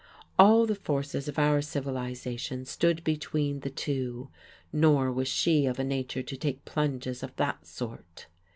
All the forces of our civilization stood between the two; nor was she of a nature to take plunges of that sort.